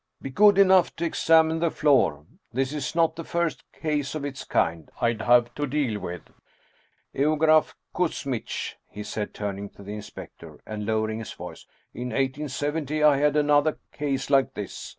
" Be good enough to examine the floor ! This is not the first case of the kind I have had to deal with ! Eugraph Kuzmitch," he said, turning to the inspector, and lowering his voice, " in 1870 I had another case like this.